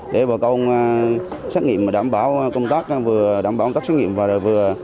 để bà con xét nghiệm và đảm bảo công tác vừa đảm bảo công tác xét nghiệm và vừa